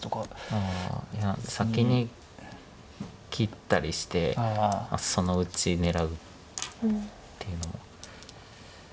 先に切ったりしてそのうち狙うっていうのも。